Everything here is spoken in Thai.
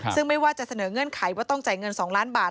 ซึ่งไม่ว่าจะเสนอเงื่อนไขว่าต้องจ่ายเงิน๒ล้านบาท